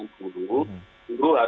antara sekolah dan rumah dan masyarakat